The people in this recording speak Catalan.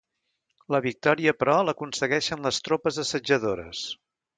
La victòria, però, l'aconsegueixen les tropes assetjadores.